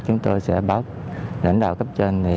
chúng tôi sẽ báo lãnh đạo cấp trên